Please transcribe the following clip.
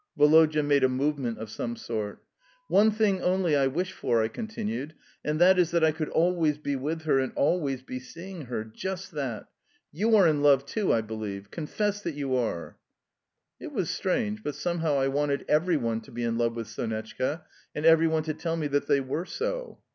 Woloda made a movement of some sort. "One thing only I wish for," I continued; "and that is that I could always be with her and always be seeing her. Just that. You are in love too, I believe. Confess that you are." It was strange, but somehow I wanted every one to be in love with Sonetchka, and every one to tell me that they were so.